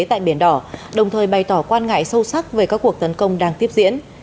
tại biển đỏ đồng thời bày tỏ quan ngại sâu sắc về các cuộc tấn công đang tiếp diễn